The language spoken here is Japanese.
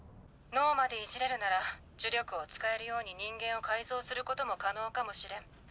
脳までいじれるなら呪力を使えるように人間を改造することも可能かもしれん。